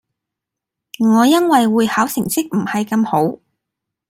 我因為會考成績唔係咁好